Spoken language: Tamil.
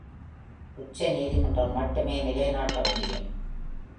உச்சநீதிமன்றம் மட்டுமே நிலைநாட்ட முடியும்.